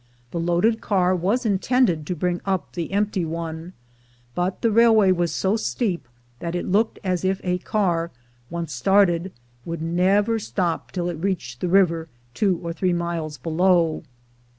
The loaded car was intended to bring up the empty one; but the railway was so steep that it looked as if a car, once started, would never stop till it reached the river, two or three miles below.